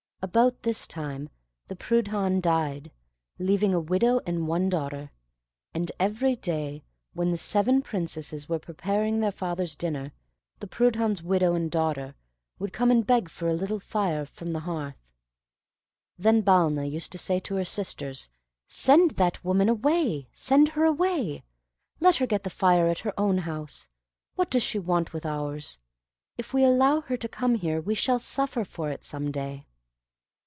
About this time the Prudhan died, leaving a widow and one daughter; and every day, when the seven Princesses were preparing their father's dinner, the Prudhan's widow and daughter would come and beg for a little fire from the hearth. Then Balna used to say to her sisters, "Send that woman away; send her away. Let her get the fire at her own house. What does she want with ours? If we allow her to come here, we shall suffer for it some day."